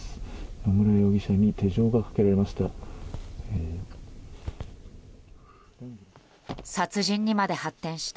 野村容疑者に手錠がかけられました。